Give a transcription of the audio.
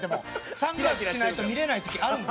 サングラスしないと見れない時あるんですよ。